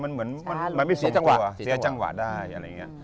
มันเหมือนมันไม่ส่งตัวเสียจังหวะได้อะไรอย่างเงี้ย